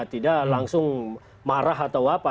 tidak langsung marah atau apa